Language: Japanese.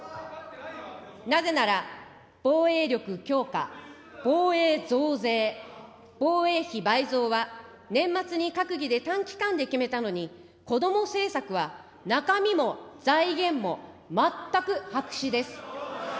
なぜなら、防衛力強化、防衛増税、防衛費倍増は、年末に閣議で短期間で決めたのに、こども政策は中身も財源も、全く白紙です。